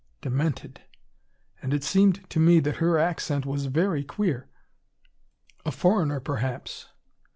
Demented! And it seemed to me that her accent was very queer. A foreigner, perhaps.